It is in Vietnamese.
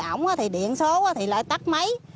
thì ổng thì điện số thì lại tắt máy